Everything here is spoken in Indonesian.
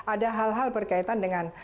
ada hal hal berkaitan dengan